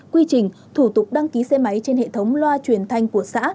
quy trình thủ tục đăng ký xe máy trên hệ thống loa truyền thanh của xã